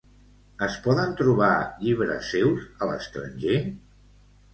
Es poden trobar llibres seus a l'estranger?